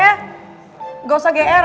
enggak usah gr